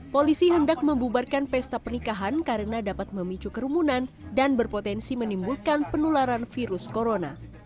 polisi hendak membubarkan pesta pernikahan karena dapat memicu kerumunan dan berpotensi menimbulkan penularan virus corona